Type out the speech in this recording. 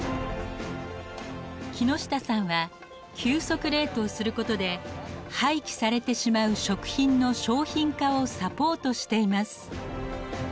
木下さんは急速冷凍することで廃棄されてしまう食品の商品化をサポートしています。